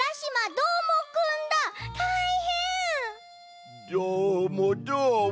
どーもどーも。